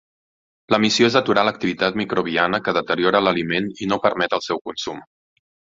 La missió és aturar l'activitat microbiana que deteriora l'aliment i no permet el seu consum.